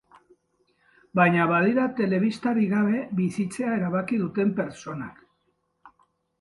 Baina badira telebistarik gabe bizitzea erabaki duten pertsonak.